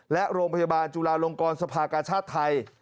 และโรงพยาบาลจุลาลงกรสภากาชาติไทย